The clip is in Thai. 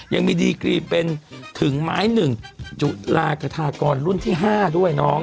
ยังมีดีกรีเป็นถึงไม้หนึ่งจุฬากระทากรรุ่นที่๕ด้วยน้อง